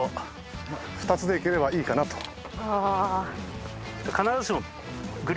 ２つでいければいいかなと。